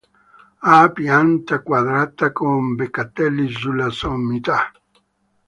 Ha pianta quadrata con beccatelli sulla sommità.